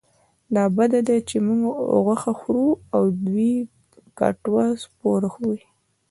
دا بده ده چې موږ غوښه خورو او د دوی کټوه سپوره وي.